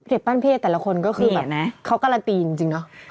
เด็กปั้นพี่เอแต่ละคนก็คือแบบเขากราตีนจริงเนอะ